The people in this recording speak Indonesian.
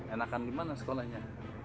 enakan di mana sekolahnya